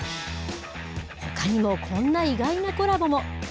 ほかにもこんな意外なコラボも。